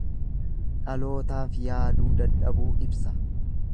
Dhalootaaf yaaduu dadhabuu ibsa.